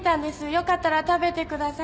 よかったら食べてください。